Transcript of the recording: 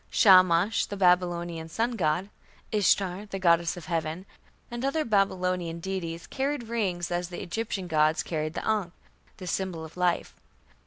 Shamash, the Babylonian sun god; Ishtar, the goddess of heaven; and other Babylonian deities carried rings as the Egyptian gods carried the ankh, the symbol of life.